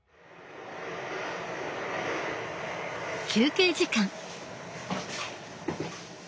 休憩時間。